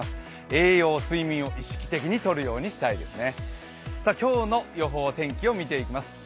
栄養、睡眠を意識的に取るようにしたいですね。